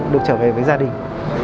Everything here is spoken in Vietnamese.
được trở về với gia đình